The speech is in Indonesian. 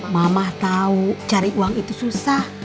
mama tau cari uang itu susah